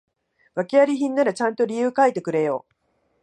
訳あり品ならちゃんと理由書いてくれよ